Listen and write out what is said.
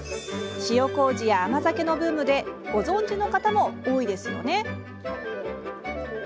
塩こうじや甘酒のブームでご存じの方も多いですよね。